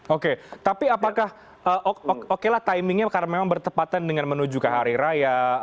oke tapi apakah okelah timingnya karena memang bertepatan dengan menuju ke hari raya